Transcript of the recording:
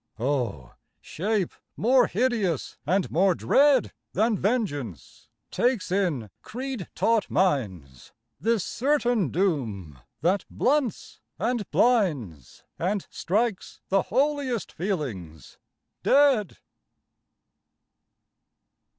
O! shape more hideous and more dread Than Vengeance takes in creed taught minds, This certain doom that blunts and blinds, And strikes the holiest feelings dead.